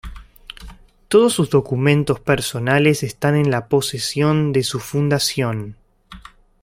Todos sus documentos personales están en la posesión de su fundación.